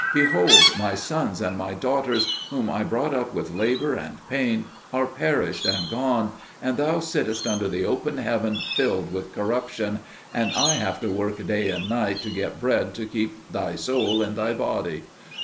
Behold, my sons and my daughters, whom I brought up with labour and pain, are perished and gone, and thou sittest under the open heaven filled with corruption, and I have to work day and night to get bread to keep thy soul in thy body.